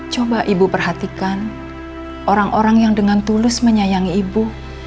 coba ibu perhatikan orang orang yang dengan tulus menyayangi ibu